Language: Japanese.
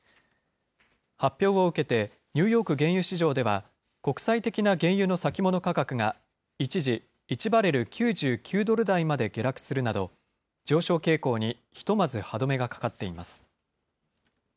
発表を受けて、ニューヨーク原油市場では、国際的な原油の先物価格が一時１バレル９９ドル台まで下落するなど、上昇傾向にひとまず歯止めがかかっています。